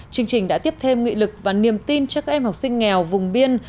chương trình đã tiếp thêm nghị lực và niềm tin cho các em học sinh nghèo vùng biên